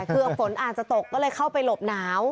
คือฝนอาจจะตกก็เลยเข้าไปหลบหนาว